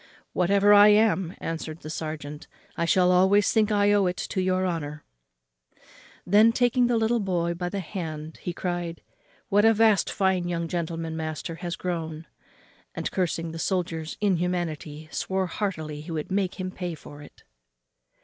"Whatever I am," answered the serjeant, "I shall always think I owe it to your honour." Then, taking the little boy by the hand he cried, "What a vast fine young gentleman master is grown!" and, cursing the soldier's inhumanity, swore heartily he would make him pay for it.